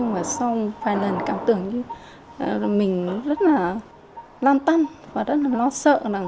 vài lần cảm tưởng như mình rất là lan tăn và rất là lo sợ